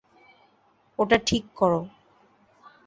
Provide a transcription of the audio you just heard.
ওটা ঠিক কর।